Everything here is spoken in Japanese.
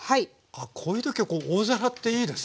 こういう時大皿っていいですね。